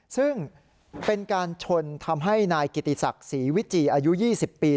ซึ่งเป็นการชนทำให้นายกิติศักดิ์ศรีวิจีอายุ๒๐ปี